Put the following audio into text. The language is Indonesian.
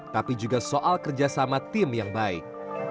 tapi juga soal kerjasama tim yang baik